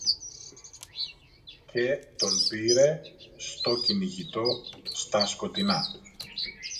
και τον πήρε στο κυνηγητό στα σκοτεινά